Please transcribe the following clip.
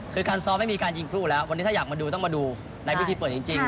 คือการซ้อมไม่มีการยิงครูแล้ววันนี้ถ้าอยากมาดูต้องมาดูในพิธีเปิดจริง